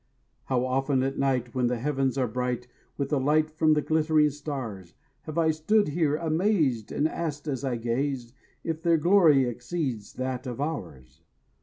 How often at night when the heavens are bright With the light from the glittering stars, Have I stood here amazed and asked as I gazed If their glory exceeds that of ours.